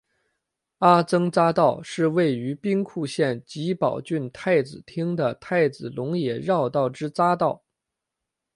阿曾匝道是位于兵库县揖保郡太子町的太子龙野绕道之匝道。